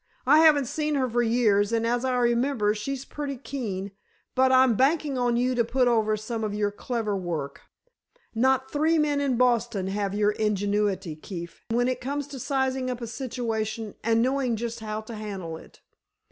I haven't seen her for years, and as I remember, she's pretty keen, but I'm banking on you to put over some of your clever work. Not three men in Boston have your ingenuity, Keefe, when it comes to sizing up a situation and knowing just how to handle it.